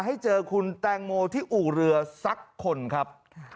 ให้เจอคุณแตงโมที่อู่เรือสักคนครับ